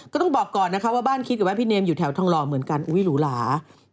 ก็ต้องบอกก่อนนะคะว่าบ้านคิดกับว่าพี่เนมอยู่แถวทองหล่อเหมือนกันอุ๊ยหรูหลา